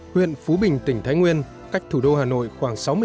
hãy đăng ký kênh để ủng hộ kênh của chúng mình nhé